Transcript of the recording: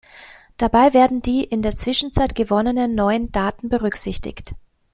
Dabei werden die in der Zwischenzeit gewonnenen neuen Daten berücksichtigt.